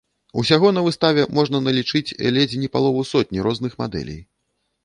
Усяго на выставе можна налічыць ледзь не палову сотні розных мадэлей.